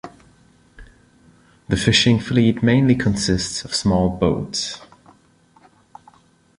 The fishing fleet mainly consists of small boats.